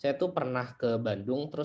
saya membeli jaket motor yang mungkin agak tebal